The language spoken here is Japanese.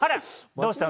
どうしたの？